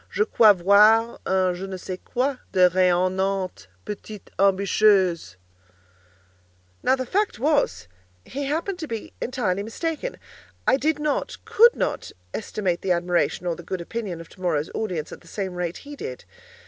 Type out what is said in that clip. Je crois voir en je ne sais quoi de rayonnante, petite ambitieuse!" Now the fact was, he happened to be entirely mistaken. I did not—could not—estimate the admiration or the good opinion of tomorrow's audience at the same rate he did.